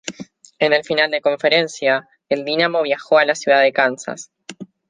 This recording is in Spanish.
En la final de conferencia, el Dynamo viajó a la ciudad de Kansas.